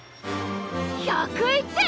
１０１点！？